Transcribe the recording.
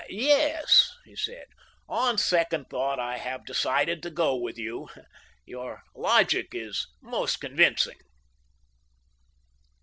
"Yes," he said, "on second thought I have decided to go with you. Your logic is most convincing."